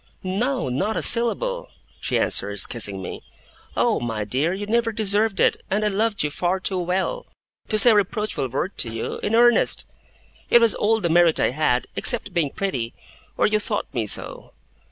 'No, not a syllable!' she answers, kissing me. 'Oh, my dear, you never deserved it, and I loved you far too well to say a reproachful word to you, in earnest it was all the merit I had, except being pretty or you thought me so.